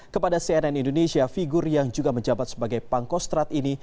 kepada cnn indonesia figur yang juga menjabat sebagai pangkostrat ini